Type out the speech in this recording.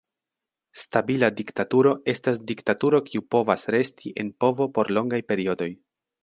Stabila diktaturo estas diktaturo kiu povas resti en povo por longaj periodoj.